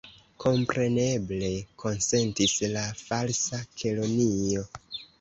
"Kompreneble," konsentis la Falsa Kelonio.